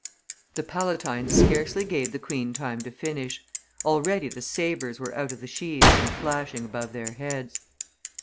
The palatines scarcely gave the queen time to finish; already the sabres were out of the sheaths and flashing above their heads.